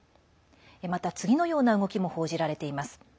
また、次のような動きも報じられています。